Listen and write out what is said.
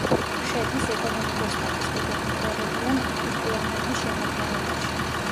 შედის ეკონომიკურ-სტატისტიკურ მიკრორეგიონ არიპუანანის შემადგენლობაში.